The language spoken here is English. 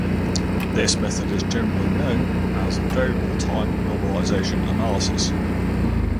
This method is generally known as Variable Time Normalization Analysis.